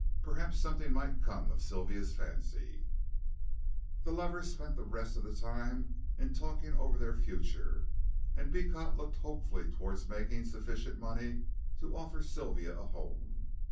Perhaps something might come of Sylvia's fancy. The lovers spent the rest of the time in talking over their future, and Beecot looked hopefully towards making sufficient money to offer Sylvia a home.